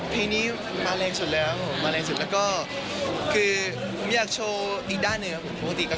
เพลงนี้มาเรื่องสุดแล้วผมมาเรื่องสุดแล้วก็ผมอยากโชว์อีกด้านอีกเนี่ยครับผม